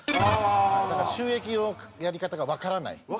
だから収益のやり方がわからない。